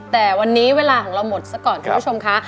แต่วันนี้เวลาของเราหมดซะก่อนคุณผู้ชมค่ะ